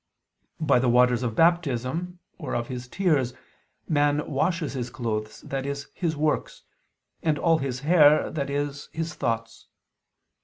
By the waters of Baptism or of his tears man washes his clothes, i.e. his works, and all his hair, i.e. his thoughts.